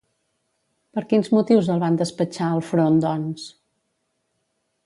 Per quins motius el van despatxar al front, doncs?